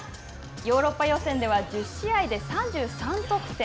ヨーロッパ予選では１０試合で３３得点。